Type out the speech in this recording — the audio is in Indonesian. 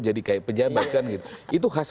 jadi kayak pejabat kan itu khas